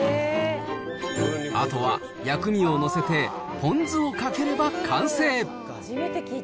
あとは薬味を載せて、ポン酢をかければ完成。